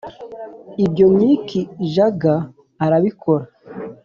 ibyo mick jagger arabikora